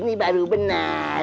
ini baru benar